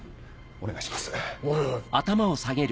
お願いします。